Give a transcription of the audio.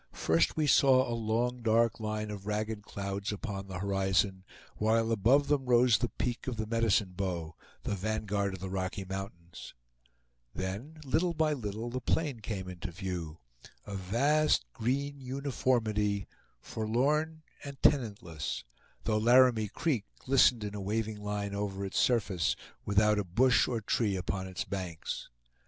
First, we saw a long dark line of ragged clouds upon the horizon, while above them rose the peak of the Medicine Bow, the vanguard of the Rocky Mountains; then little by little the plain came into view, a vast green uniformity, forlorn and tenantless, though Laramie Creek glistened in a waving line over its surface, without a bush or a tree upon its banks.